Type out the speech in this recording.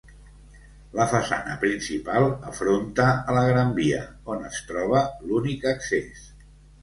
La façana principal afronta a la Gran Via, on es troba l'únic accés.